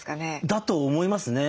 だと思いますね。